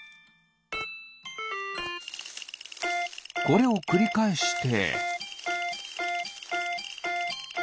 これをくりかえして。